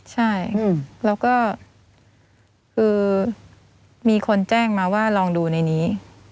ใช่แล้วก็คือมีคนแจ้งมาว่าลองดูในนี้